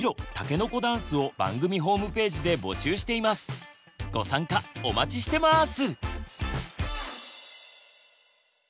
番組ではご参加お待ちしてます！